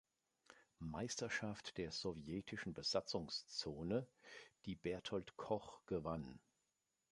Meisterschaft der Sowjetischen Besatzungszone, die Berthold Koch gewann.